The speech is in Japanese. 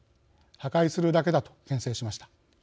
破壊するだけだ」とけん制しました。